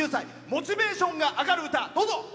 モチベーションが上がる歌。